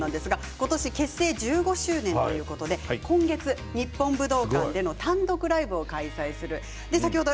今年結成１５周年ということで今月、日本武道館での単独ライブを開催します。